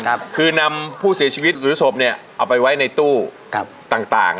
คือนำผู้เสียชีวิตหรือศพออกไปไว้ในตู้ต่าง